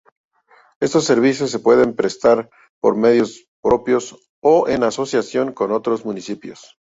Estos servicios se pueden prestar por medios propios o en asociación con otros municipios.